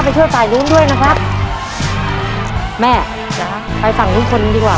ช่วยฝ่ายนู้นด้วยนะครับแม่นะฮะไปฝั่งนู้นคนดีกว่า